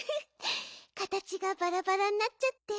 かたちがバラバラになっちゃって。